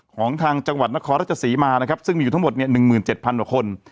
ของทางจังหวัดนครรัฐสีมาซึ่งมีอยู่ทั้งหมด๑๗๐๐๐คน